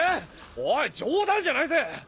おい冗談じゃないぜ！！